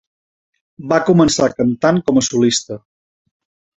Va començar cantant com a solista.